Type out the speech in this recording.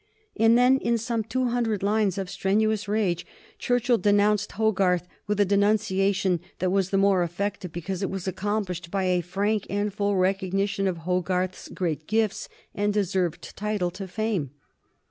And then, in some two hundred lines of strenuous rage, Churchill denounced Hogarth with a denunciation that was the more effective because it was accompanied by a frank and full recognition of Hogarth's great gifts and deserved title to fame.